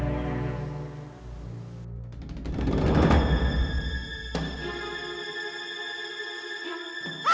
ibu sri sudah selesai menangkap ibu